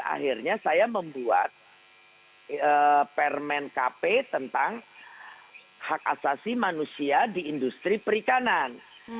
akhirnya saya membuat permen kp tentang hak asasi manusia di industri perikanan